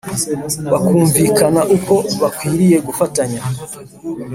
bakumvikana uko bakwiriye gufatanya